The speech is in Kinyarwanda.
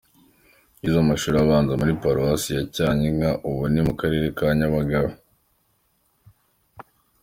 Yize amashuri abanza muri paruwasi ya Cyanika, ubu ni mu Karere ka Nyamagabe.